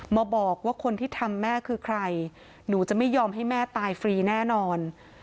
มาบอกว่าคนที่ทำแม่คือใครหนูจะไม่ยอมให้แม่ตายฟรีแน่นอน